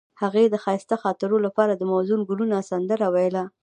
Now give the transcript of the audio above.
هغې د ښایسته خاطرو لپاره د موزون ګلونه سندره ویله.